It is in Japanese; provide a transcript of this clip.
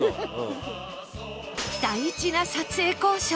大事な撮影交渉